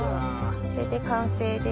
これで完成です。